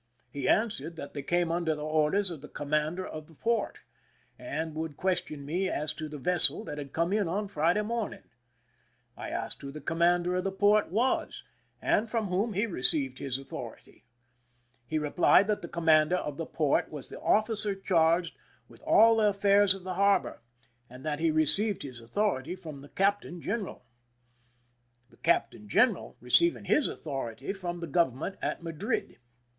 He answered that they came under the orders of the commander of the port, and would question me as to the vessel that had come in on Friday morn ing. I asked who the commander of the port was, and from whom he received his authoidty. He replied that the commander of the port was the officer charged with all the affairs of the harbor, and that he received his authority from the cap tain general, the captain general receiving his au 184 IMPRISONMENT IN MORRO CASTLE thority from the government at Madrid.